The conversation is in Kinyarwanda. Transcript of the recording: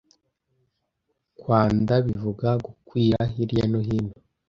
kwanda bivuga “Gukwira” hirya no hino